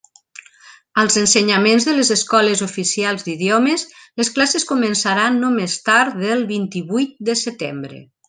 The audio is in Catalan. Als ensenyaments de les escoles oficials d'idiomes les classes començaran no més tard del vint-i-vuit de setembre.